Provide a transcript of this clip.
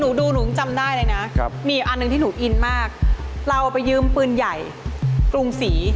หนูดูหนูจำได้เลยนะมีอีกอันหนึ่งที่หนูอินมากเราไปยืมปืนใหญ่กรุงศรี